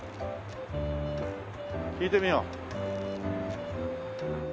聞いてみよう。